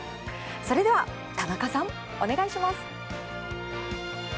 それでは、田中さん、お願いします。